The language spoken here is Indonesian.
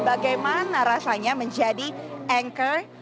bagaimana rasanya menjadi anchor